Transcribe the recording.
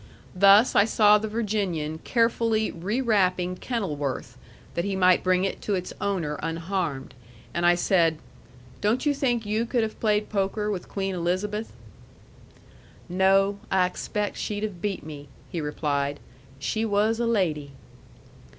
Thus I saw the Virginian carefully rewrapping Kenilworth, that he might bring it to its owner unharmed; and I said, "Don't you think you could have played poker with Queen Elizabeth?" "No; I expaict she'd have beat me," he replied. "She was a lady."